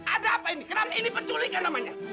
ada apa ini kenapa ini penculik ya namanya